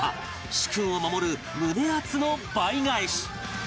主君を守る胸アツの倍返し